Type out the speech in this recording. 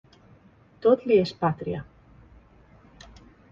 Tot li és pàtria.